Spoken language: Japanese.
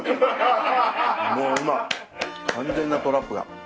もう今完全なトラップが。